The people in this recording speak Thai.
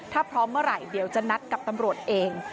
ถ้าพร้อมเมื่อไหร่เดี๋ยวจะนัดกับตำรวจเอง